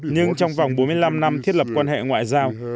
nhưng trong vòng bốn mươi năm năm thiết lập quan hệ ngoại giao